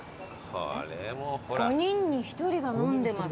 「５人に１人が飲んでます！」